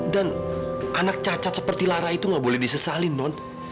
dan anak cacat seperti lara itu gak boleh disesalin non